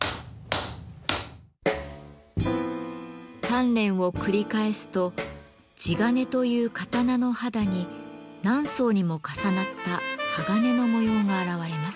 鍛錬を繰り返すと地鉄という刀の肌に何層にも重なった鋼の模様が現れます。